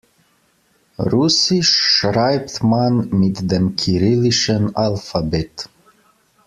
Russisch schreibt man mit dem kyrillischen Alphabet.